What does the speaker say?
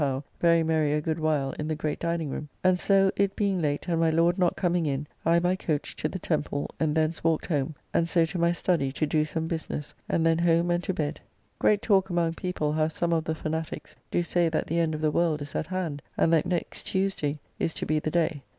Howe very merry a good while in the great dining room, and so it being late and my Lord not coming in, I by coach to the Temple, and thence walked home, and so to my study to do some business, and then home and to bed. Great talk among people how some of the Fanatiques do say that the end of the world is at hand, and that next Tuesday is to be the day.